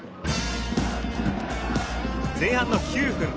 前半の９分。